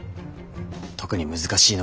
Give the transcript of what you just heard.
特に難しいのが。